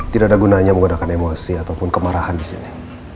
tidak ada gunanya menggunakan emosi ataupun kemarahan disini